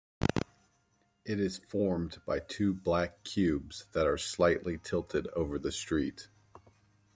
It is formed by two black cubes that are slightly tilted over the street.